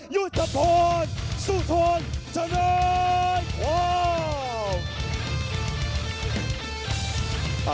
ยุทธพรสนุนในความคว้า